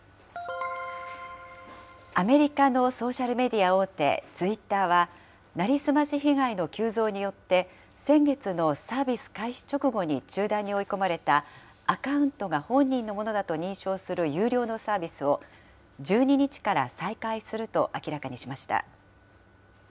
アメリカのソーシャルメディア大手、ツイッターは、成り済まし被害の急増によって、先月のサービス開始直後に中断に追い込まれたアカウントが本人のものだと認証する有料のサービスを、１２日から再開すると明らかにしました。